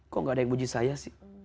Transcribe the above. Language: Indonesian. kok gak ada yang muji saya sih